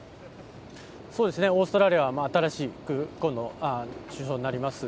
オーストラリアは新しく今度、首相になります